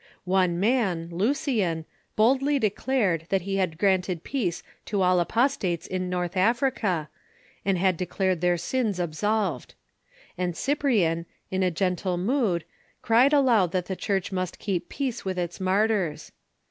One man, Lucian, boldly declared that he had granted peace to all apostates in North Africa, and had declared their sins absolved ; and Cyprian, in a gen tle mood, cried aloud that the Church must keep peace with its martyrs.